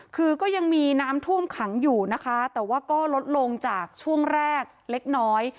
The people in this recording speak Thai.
คือก็ยังมีน้ำท่วมขังอยู่นะคะแต่ว่าก็ลดลงจากช่วงแรกเล็กน้อย